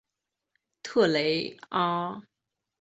特雷阿。